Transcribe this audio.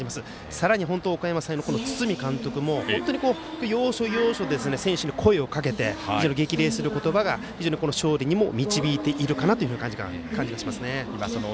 さらに本当おかやま山陽の堤監督も本当に要所要所で選手に声をかけて激励する言葉が、勝利にも導いているかなという感じがしますね。